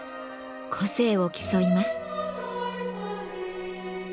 個性を競います。